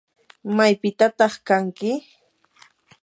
¿maypitataq kanki?